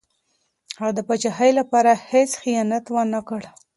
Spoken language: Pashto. هغه د پاچاهۍ لپاره هېڅ خیانت ونه کړ.